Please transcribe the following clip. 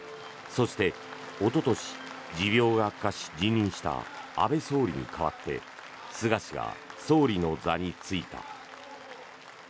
そして、おととし持病が悪化し辞任した安倍総理に代わって菅氏が総理の座に就いた。